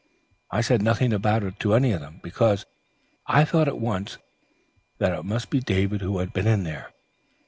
I said nothing about it to any of them, because I thought at once that it must be David who had been there."